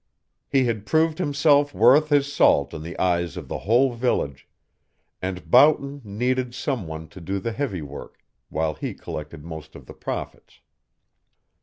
He had proved himself worth his salt in the eyes of the whole village, and Boughton needed some one to do the heavy work, while he collected most of the profits.